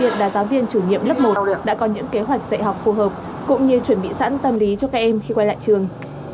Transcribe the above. nghiệp lớp một đã có những kế hoạch dạy học phù hợp cũng như chuẩn bị sẵn tâm lý cho các em khi quay lại trường